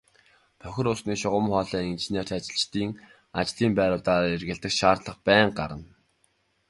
Бохир усны шугам хоолойн инженерт ажилчдын ажлын байруудаар эргэлдэх шаардлага байнга гарна.